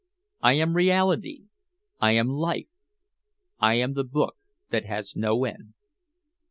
I am reality I am life! I am the book that has no end."